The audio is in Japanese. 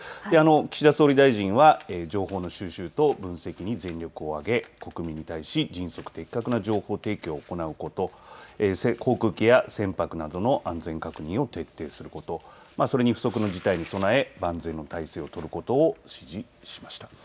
岸田総理大臣は情報の収集と分析に全力を挙げ国民に対し迅速・的確な情報提供を行うこと、航空機や船舶などの安全確認を徹底すること、それに不測の事態に備え万全の態勢を取ることを指示しました。